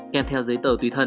kèm theo giấy tờ tùy thân